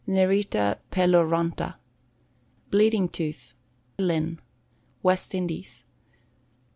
Nerita Peloronta. Bleeding Tooth. Linn. West Indies.